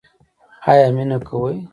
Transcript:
ایا مینه کوئ؟